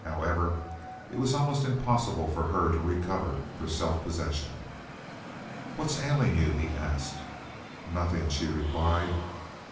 However, it was almost impossible for her to recover her self possession. "What's ailing you?" he asked. "Nothing," she replied.